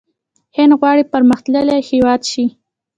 هند غواړي پرمختللی هیواد شي.